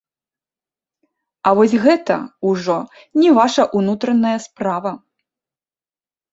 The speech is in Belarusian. А вось гэта ўжо не ваша ўнутраная справа.